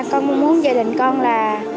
con muốn gia đình con là